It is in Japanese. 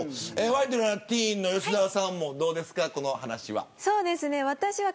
ワイドナティーンの吉澤さんもどうですか、このお話は。